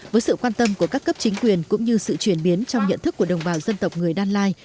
với sự quan tâm của các cấp chính quyền cũng như sự chuyển biến trong nhận thức của đồng bào dân tộc người đan lai